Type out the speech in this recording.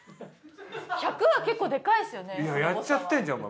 １００は結構でかいですよね。